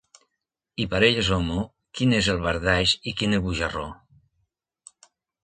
I parelles homo: quin és el bardaix i quin el bujarró?